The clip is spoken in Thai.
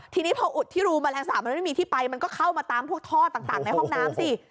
ทีนี้พออุดที่รูแมลงสาปมันไม่มีที่ไปมันก็เข้ามาตามพวกท่อต่างในห้องน้ำสิ